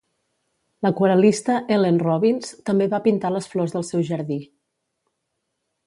L'aquarel·lista Ellen Robbins també va pintar les flors del seu jardí.